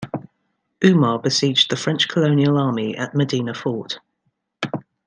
Umar besieged the French colonial army at Medina Fort.